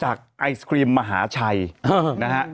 จากไอศกรีมมหาชัยนะฮะค่ะ